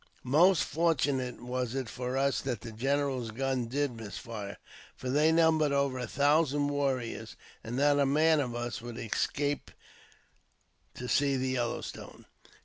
Most fortunate was it for us that the general's gun did miss fire, for they numbered over a thousand warriors, and not a man of us would have escaped to see the Yellow Stone.